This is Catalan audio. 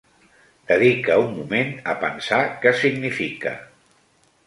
Dedica un moment a pensar què significa.